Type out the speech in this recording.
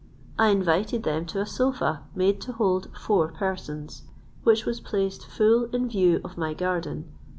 I invited them to a sofa made to hold four persons, which was placed full in view of my garden.